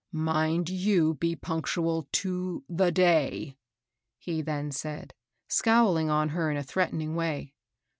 " Mind you be punctual to the day," he then said, scowling on her in a threatening way.